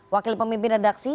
wakil pemimpin redaksi